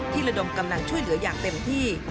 ระดมกำลังช่วยเหลืออย่างเต็มที่